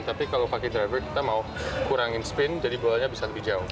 tapi kalau pakai driver kita mau kurangin spin jadi bolanya bisa lebih jauh